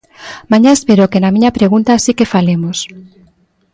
Mañá espero que na miña pregunta si que falemos.